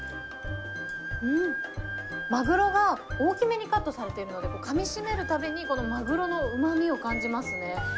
うん、マグロが大きめにカットされているので、かみしめるたびに、このマグロのうまみを感じますね。